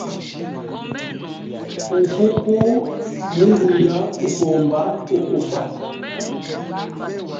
Ufuku munguya kupomba kukufa.